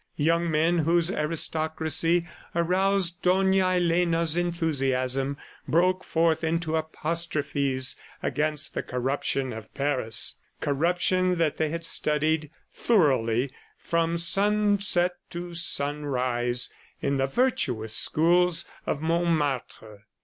Young men whose aristocracy aroused Dona Elena's enthusiasm, broke forth into apostrophes against the corruption of Paris, corruption that they had studied thoroughly, from sunset to sunrise, in the virtuous schools of Montmartre.